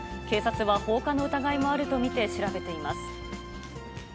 警察は、放火の疑いもあると見て、調べています。